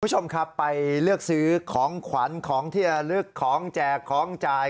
คุณผู้ชมครับไปเลือกซื้อของขวัญของที่ระลึกของแจกของจ่าย